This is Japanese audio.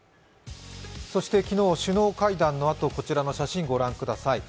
そして昨日、首脳会談のあとこちらの写真、御覧ください。